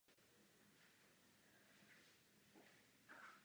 Poté pracoval jako právník v Linci a Salzburgu.